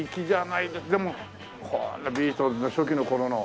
でもこんなビートルズの初期の頃の。